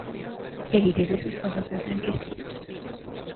El iris de sus ojos es blanquecino.